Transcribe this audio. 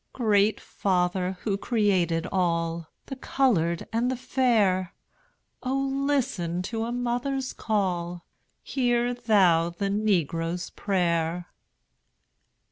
Great Father! who created all, The colored and the fair, O listen to a mother's call; Hear Thou the negro's prayer!